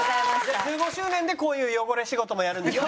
１５周年でこういう汚れ仕事もやるんですね。